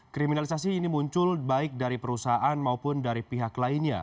kriminalisasi ini muncul baik dari perusahaan maupun dari pihak lainnya